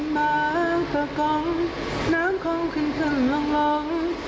บางประกองน้ำคล่องขึ้นขึ้นหล่อง